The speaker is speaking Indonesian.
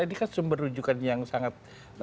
ini kan sumber rujukan yang sangat